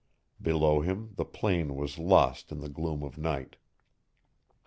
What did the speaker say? Below him the plain was lost in the gloom of night.